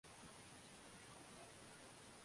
waganda wanastahili kufahamu kuwa